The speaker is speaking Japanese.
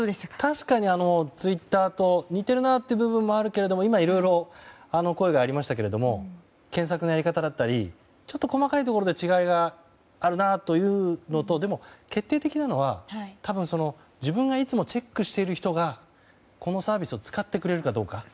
確かにツイッターと似ているなという部分はあるけども今、いろいろ声がありましたけれども検索のやり方だったり細かいところで違いがあるなというのとでも決定的なのは多分、自分がいつもチェックしている人がこのサービスを使ってくれるかどうか。